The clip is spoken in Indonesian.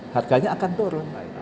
harganya akan turun